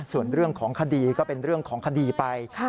ส่วนเรื่องของคดีก็เป็นเรื่องของคดีไป